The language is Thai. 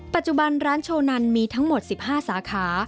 ปัจจุบันร้านโชนันมีทั้งหมด๑๕สาขา